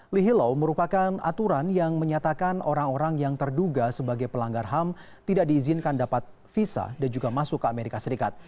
lihilau merupakan aturan yang menyatakan orang orang yang terduga sebagai pelanggar ham tidak diizinkan dapat visa dan juga masuk ke amerika serikat